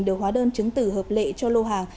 đều hóa đơn chứng tử hợp lệ cho lô hàng